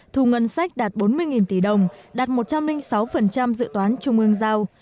thu ngân sách đạt bốn mươi tỷ đồng đạt một trăm linh sáu dự toán trung ương giao